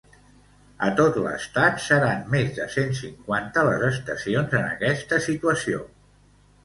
A tot l’estat, seran més de cent cinquanta les estacions en aquesta situació.